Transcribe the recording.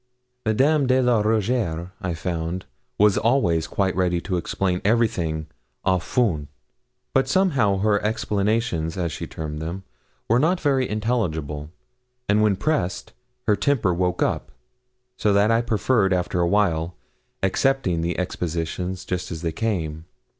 Madame de la Rougierre, I found, was always quite ready to explain everything 'à fond;' but somehow her 'explications,' as she termed them, were not very intelligible, and when pressed her temper woke up; so that I preferred, after a while, accepting the expositions just as they came.